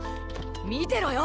⁉見てろよ！